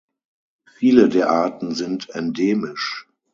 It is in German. Viele der Arten sind endemisch.